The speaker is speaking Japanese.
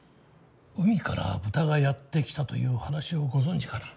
「海から豚がやってきた」という話をご存じかな？